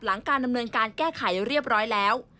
การดำเนินการแก้ไขเรียบร้อยแล้ว